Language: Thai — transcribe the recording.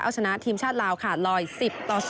เอาชนะทีมชาติลาวค่ะ๑๑๐ต่อ๐